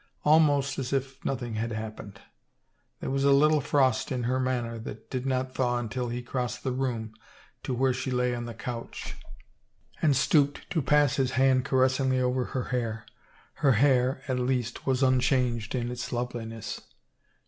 Almost as if nothing had happened. There was a little frost in her manner that did not thaw until he crossed the room to where she lay on the couch and stooped to pass his hand caressingly over her hair. Her hair, at least, was unchanged in its loveliness.